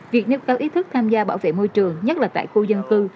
việc nâng cao ý thức tham gia bảo vệ môi trường nhất là tại khu dân cư